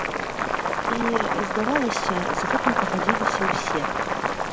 І, здавалася, з гэтым пагадзіліся ўсе.